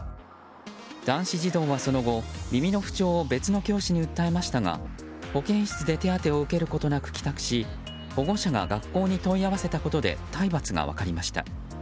男子児童はその後、耳の不調を別の教師に訴えましたが保健室で手当てを受けることなく帰宅し保護者が学校に問い合わせたことで体罰が分かりました。